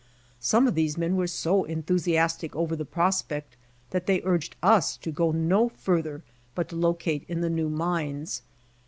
Some of these men were so enthus iastic over the prospect that they urged us to go no further, but to locate in the new mines.